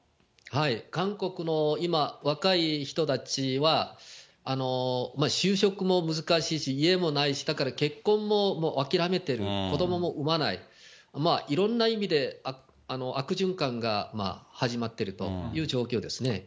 韓国の今、若い人たちは、就職も難しいし、家もないし、だから結婚もあきらめてる、子どもも産まない、いろんな意味で悪循環が始まってるという状況ですね。